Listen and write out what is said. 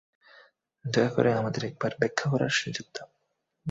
দয়া করে, আমাদের একবার ব্যাখ্যা করার সুযোগ দাও।